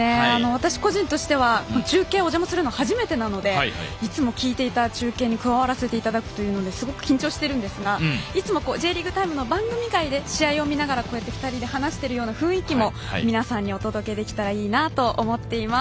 私、個人としては中継にお邪魔するのは初めてなのでいつも聞いていた中継に加わらせていただくということですごく緊張しているんですがいつも「Ｊリーグタイム」の番組外で試合を見ながら２人で話しているような雰囲気も皆さんにお届けできればといいなと思っております。